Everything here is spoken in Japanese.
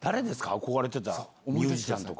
憧れてたミュージシャンとか。